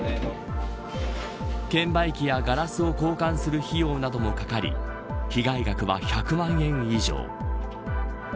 券売機やガラスを交換する費用などもかかり被害額は１００万円以上。